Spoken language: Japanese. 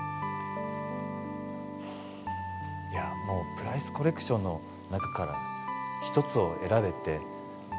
プライスコレクションの中から一つを選べって。